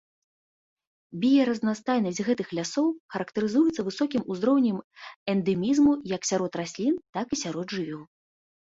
Біяразнастайнасць гэтых лясоў характарызуецца высокім узроўнем эндэмізму як сярод раслін, так і сярод жывёл.